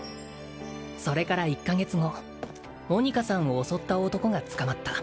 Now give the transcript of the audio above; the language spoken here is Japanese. それから１カ月後モニカさんを襲った男が捕まった